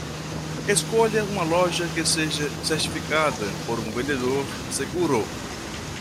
Escolha uma loja que seja certificada por um vendedor seguro